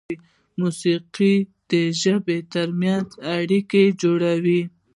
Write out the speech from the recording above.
موسیقي د ژبو تر منځ اړیکه جوړوي.